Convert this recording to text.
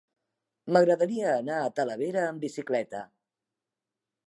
M'agradaria anar a Talavera amb bicicleta.